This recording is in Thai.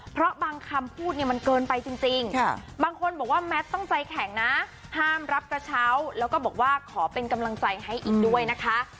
เพราะบางคำพูดเนี่ยมันเกินไปจริงบางคนบอกว่าแมทต้องใจแข็งนะห้ามรับกระเช้าแล้วก็บอกว่าขอเป็นกำลังใจให้อีกด้วยนะคะ